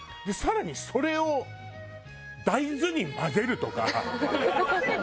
更にそれを大豆に混ぜるとか。